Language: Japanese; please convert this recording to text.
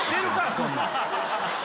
そんなん。